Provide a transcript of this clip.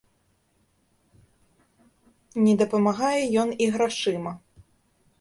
Не дапамагае ён і грашыма.